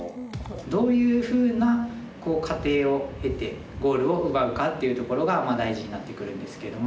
どういうふうな過程を経てゴールを奪うかっていうところが大事になってくるんですけども。